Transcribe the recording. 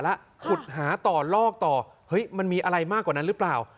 แล้วขุดหาต่อลอกต่อเฮ้ยมันมีอะไรมากกว่านั้นหรือเปล่า